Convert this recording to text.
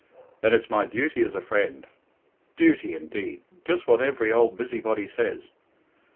"Then it's my duty as a friend " "Duty indeed! Just what every old busybody says."